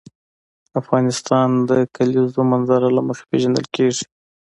افغانستان د د کلیزو منظره له مخې پېژندل کېږي.